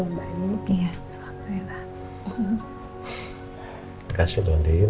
makasih don din